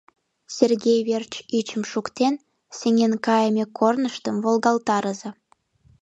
Сергей верч ӱчым шуктен, сеҥен кайыме корныштым волгалтарыза!